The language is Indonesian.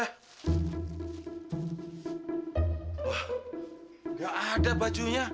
wah gak ada bajunya